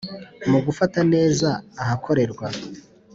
Mu gufata neza ahakorerwa